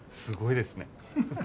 すごいですね。